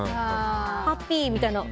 ハッピーみたいな。